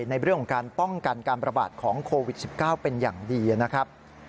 ในเรื่องของการป้องกันการประบาดของโควิด๑๙เป็นอย่างดีนะครับ